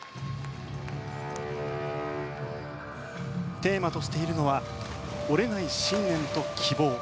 テーマとしているのは折れない信念と希望。